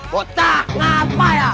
bocah ngapai ya